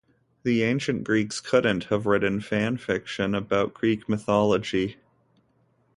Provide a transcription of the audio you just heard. The Ancient Greeks couldn't have written fanfiction about Greek mythology.